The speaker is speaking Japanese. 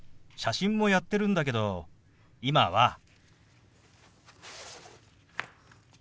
写真もやってるんだけど今は。